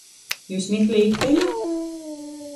Jius meklejit teļa?